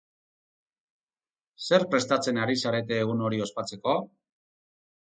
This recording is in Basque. Zer prestatzen ari zarete egun hori ospatzeko?